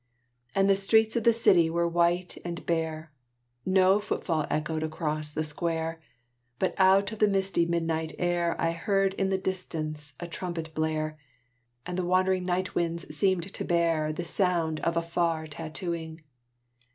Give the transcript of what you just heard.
And the streets of the city were white and bare; No footfall echoed across the square; But out of the misty midnight air I heard in the distance a trumpet blare, And the wandering night winds seemed to bear The sound of a far tattooing.